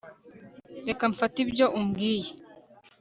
reka mfate ibyo umbwiye